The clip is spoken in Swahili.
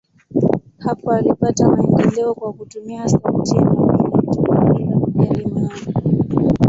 Hapo walipata maendeleo kwa kutumia sauti ya majina tu, bila kujali maana.